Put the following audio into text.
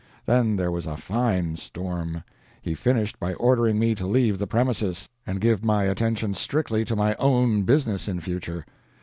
Then there was a fine storm! He finished by ordering me to leave the premises, and give my attention strictly to my own business in future.